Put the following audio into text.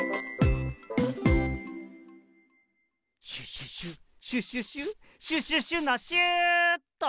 シュシュシュシュシュシュシュシュシュのシューっと！